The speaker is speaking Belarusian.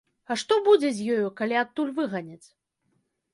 А што будзе з ёю, калі адтуль выганяць.